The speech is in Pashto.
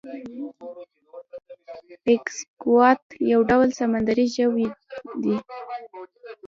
ایکسکوات یو ډول سمندری ژوی دی